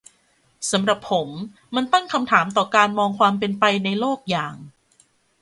สำหรับผม มันตั้งคำถามต่อการมองความเป็นไปในโลกอย่าง